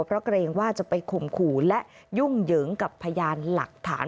เพราะเกรงว่าจะไปข่มขู่และยุ่งเหยิงกับพยานหลักฐาน